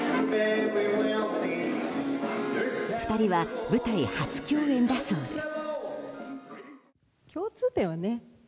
２人は舞台初共演だそうです。